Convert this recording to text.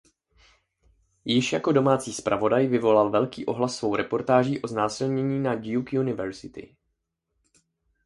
Již jako domácí zpravodaj vyvolal velký ohlas svou reportáží o znásilnění na Duke University.